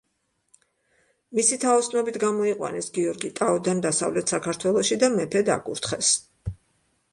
მისი თაოსნობით გამოიყვანეს გიორგი ტაოდან დასავლეთ საქართველოში და მეფედ აკურთხეს.